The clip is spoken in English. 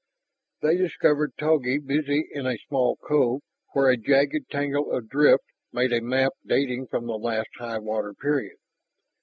They discovered Togi busy in a small cove where a jagged tangle of drift made a mat dating from the last high water period.